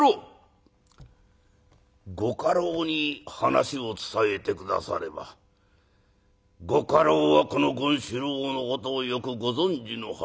「ご家老に話を伝えて下さればご家老はこの権四郎のことをよくご存じのはずだ。